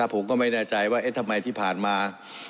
ผมก็ไม่แน่ใจว่าทำไมที่ผ่านมา